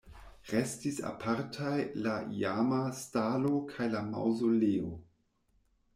Restis apartaj la iama stalo kaj la maŭzoleo.